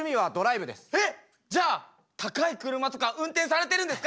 えっじゃあ高い車とか運転されてるんですか？